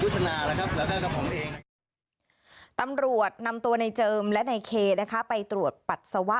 ตำรวจนำตัวในเจิมและในเคไปตรวจปัสสาวะ